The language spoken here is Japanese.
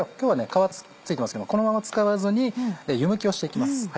皮付いてますけどこのまま使わずに湯むきをしていきます。